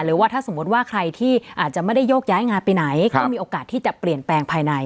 หรือว่าถ้าสมมติว่าใครที่อาจจะไม่ได้โยกย้ายงานไปไหนก็มีโอกาสที่จะเปลี่ยนแปลงภายใน